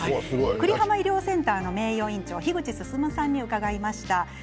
久里浜医療センター名誉院長の樋口進さんに伺いました。